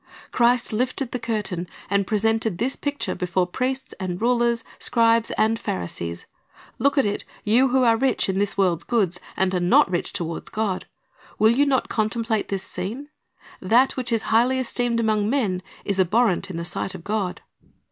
Christ lifted the curtain, and presented this picture before priests and rulers, scribes and Pharisees. Look at it, you who are rich in this world's goods, and are not rich toward God. Will you not contemplate this scene? That which is highly esteemed among men is abhorrent in the sight of God.